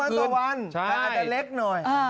ใช่แต่อาจจะเล็กหน่อย